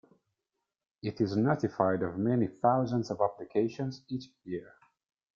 It is notified of many thousands of applications each year.